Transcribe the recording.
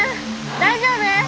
大丈夫？